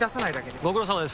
ご苦労さまです。